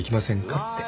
って。